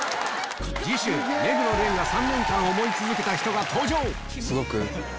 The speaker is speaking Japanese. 次週目黒蓮が３年間思い続けた人が登場！